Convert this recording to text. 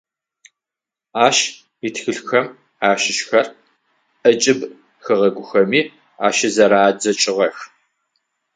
Ащ итхылъхэм ащыщхэр ӏэкӏыб хэгъэгухэми ащызэрадзэкӏыгъэх.